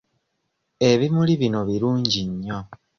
Ebimuli bino birungi nnyo.